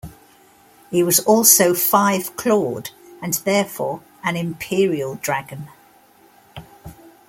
He was also five-clawed and therefore an imperial dragon.